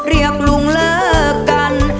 เรียกลุงเลิกกัน